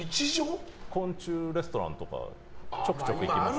昆虫レストランとかちょくちょく行ってます。